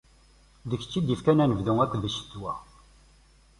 D kečč i d-ifkan anebdu akked ccetwa.